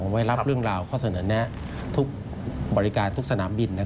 ไว้รับเรื่องราวข้อเสนอแนะทุกบริการทุกสนามบิน